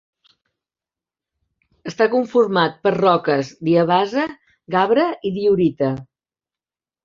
Està conformat per roques diabasa, gabre i diorita.